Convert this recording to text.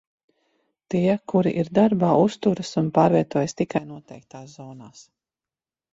Tie, kuri ir darbā, uzturas un pārvietojas tikai noteiktās zonās.